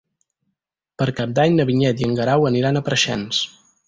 Per Cap d'Any na Vinyet i en Guerau aniran a Preixens.